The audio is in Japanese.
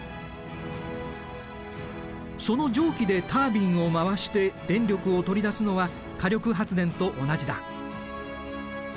その蒸気でタービンを回して電力を取り出すのは火力発電と同じだ。